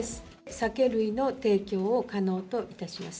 酒類の提供を可能といたします。